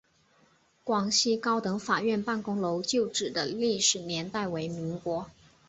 广西高等法院办公楼旧址的历史年代为民国。